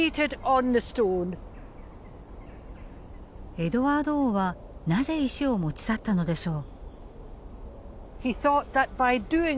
エドワード王はなぜ石を持ち去ったのでしょう？